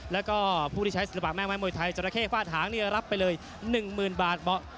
แล้วก็ผู้ที่ใช้ศิลปะแม่ไม้มวยไทยจราเข้ฟาดหางเนี่ยรับไปเลย๑๐๐๐บาทเหมาะ